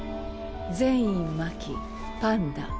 禪院真希パンダ。